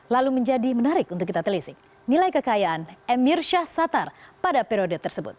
lalu menjadi menarik untuk kita telisik nilai kekayaan emir syahsatar pada periode tersebut